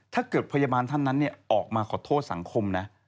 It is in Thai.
ถ้าเกิดพยาบาลท่านนั้นออกมาขอโทษสังคมนะ